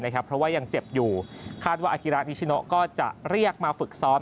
เพราะว่ายังเจ็บอยู่คาดว่าอากิระนิชิโนก็จะเรียกมาฝึกซ้อม